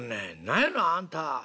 『何やのあんた！